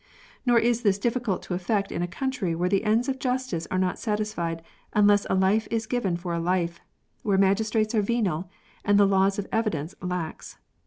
Nor is this difficult to effect in a country where the ends of jus tice are not satisfied unless a life is given for a life, where magistrates are venal, and the laws of evidence lax.